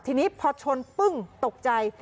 ทีนี้พอชนปึ้งตกใจ